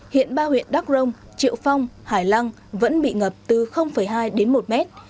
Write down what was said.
hiện ba huyện đắc rông triệu phong hải lăng vẫn bị ngập từ hai đến một mét